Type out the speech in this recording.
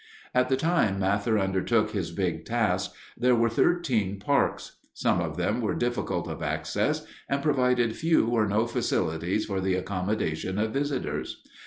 At the time Mather undertook his big task, there were thirteen parks. Some of them were difficult of access and provided few or no facilities for the accommodation of visitors.